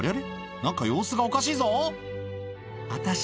なんか様子がおかしいぞ。